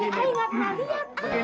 ada satu lah silahkan